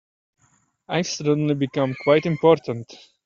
I've suddenly become quite important.